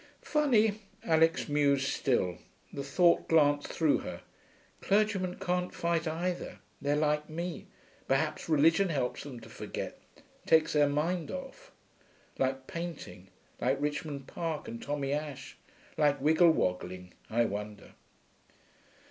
'Funny,' Alix mused still. The thought glanced through her, 'Clergymen can't fight either, they're like me. Perhaps religion helps them to forget; takes their minds off. Like painting. Like Richmond Park and Tommy Ashe. Like wiggle woggling. I wonder.'